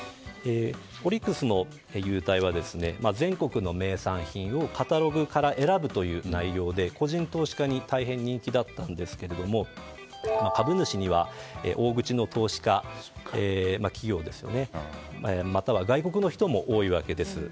オリックスの優待は全国の名産品をカタログから選ぶという内容で個人投資家に大変人気だったんですが株主には大口の投資家企業ですねまたは外国の人も多いわけです。